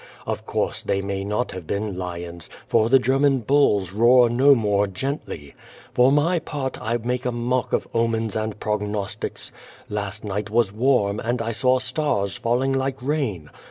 Of course they may not have been lions, for the German bulls roar no more gently. For my part I make a mock of omens and prognostics. Last night was warm, and I saw stare falling like rain.